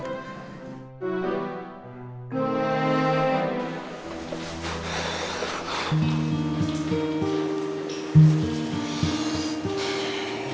bikin puisi hp ya